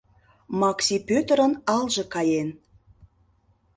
Макси Пӧтырын алже каен.